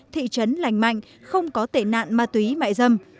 thị trấn lành mạnh không có tệ nạn ma túy mại dâm